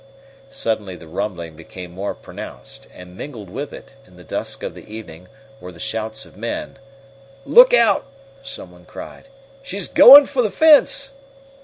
Suddenly the rumbling became more pronounced, and mingled with it, in the dusk of the evening, were the shouts of men. "Look out!" some one cried. "She's going for the fence!"